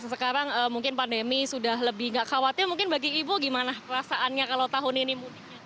sekarang mungkin pandemi sudah lebih nggak khawatir mungkin bagi ibu gimana perasaannya kalau tahun ini mudiknya